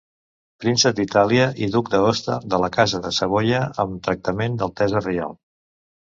Príncep d'Itàlia i duc d'Aosta de la casa de Savoia amb el tractament d'altesa reial.